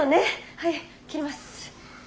はい切ります。